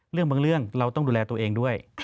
เรื่องบางเรื่องเราต้องดูแลตัวเองด้วย